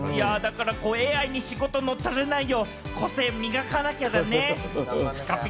ＡＩに仕事、乗っ取られないよう、個性を磨かなきゃだね。